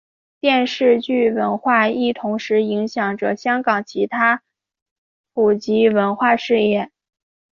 电视剧文化亦同时影响着香港其他普及文化事业。